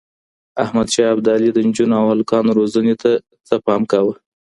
احمد شاه ابدالي د نجونو او هلکانو روزنې ته څه پام کاوه؟